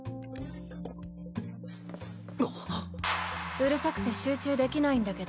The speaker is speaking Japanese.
うるさくて集中できないんだけど。